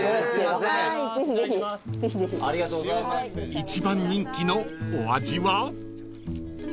［一番人気のお味は？］